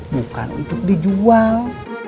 bukan untuk dijual